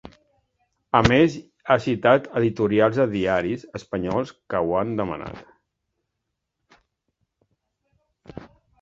A més, ha citat editorials de diaris espanyols que ho han demanat.